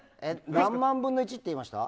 何万分の１って言いました？